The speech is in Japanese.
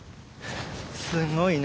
すんごいな。